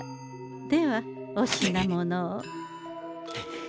ではお品物を。